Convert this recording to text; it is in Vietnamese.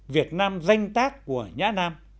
việt nam danh tác của nhã nam